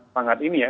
sangat ini ya